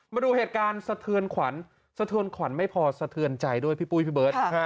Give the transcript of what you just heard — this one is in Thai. มาดูเหตุการณ์สะเทือนขวัญสะเทือนขวัญไม่พอสะเทือนใจด้วยพี่ปุ้ยพี่เบิร์ต